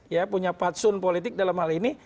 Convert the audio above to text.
ya punya patsun politik dalam hal ini